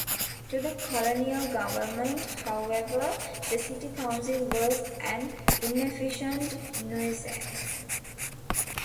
To the colonial government, however, the city council was an inefficient nuisance.